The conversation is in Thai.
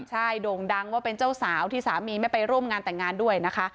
ใช่โด่งดังว่าเป็นเจ้าสาวที่สามีไม่ไปร่วมงานแต่งงานด้วยนะคะ